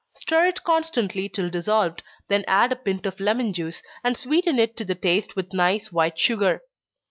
Stir it constantly till dissolved, then add a pint of lemon juice, and sweeten it to the taste with nice white sugar.